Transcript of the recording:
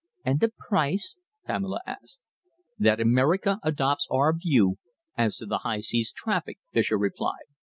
"And the price?" Pamela asked. "That America adopts our view as to the high seas traffic," Fischer replied.